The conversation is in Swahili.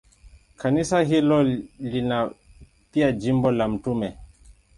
Kanisa hilo lina pia jimbo la Mt.